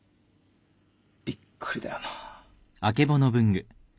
びっくりだよな。